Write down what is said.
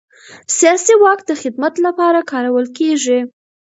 سیاسي واک د خدمت لپاره کارول کېږي